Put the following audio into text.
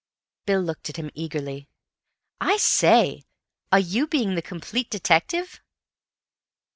Bill looked at him eagerly. "I say, are you being the complete detective?"